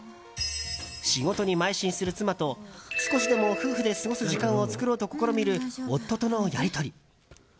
仕事にまい進する妻と少しでも夫婦で過ごす時間を作ろうと試みる夫とのやり取り。